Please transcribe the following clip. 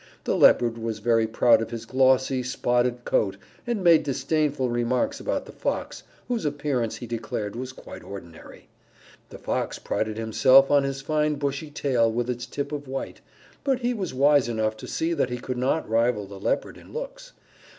The Leopard was very proud of his glossy, spotted coat and made disdainful remarks about the Fox, whose appearance he declared was quite ordinary. The Fox prided himself on his fine bushy tail with its tip of white, but he was wise enough to see that he could not rival the Leopard in looks.